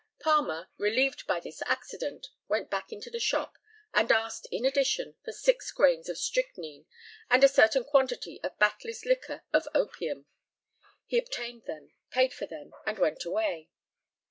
Palmer, relieved by this accident, went back into the shop, and asked, in addition, for six grains of strychnine and a certain quantity of Batley's liquor of opium. He obtained them, paid for them, and went away.